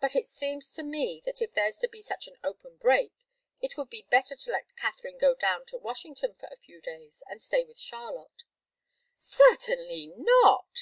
"But it seems to me that if there's to be such an open break, it would be better to let Katharine go down to Washington for a few days and stay with Charlotte." "Certainly not!"